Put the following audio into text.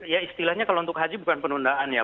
ya istilahnya kalau untuk haji bukan penundaan ya